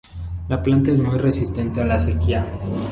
La planta es muy resistente a la sequía.